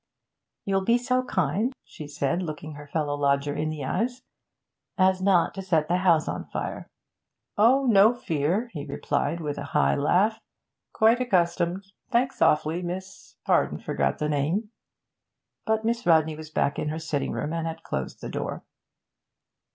'You'll be so kind,' she said, looking her fellow lodger in the eyes, 'as not to set the house on fire.' 'Oh, no fear,' he replied, with a high laugh. 'Quite accustomed. Thanks awfully, Miss pardon forgotten the name.' But Miss Rodney was back in her sitting room, and had closed the door.